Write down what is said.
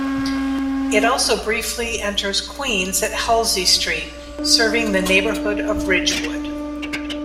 It also briefly enters Queens at Halsey Street, serving the neighborhood of Ridgewood.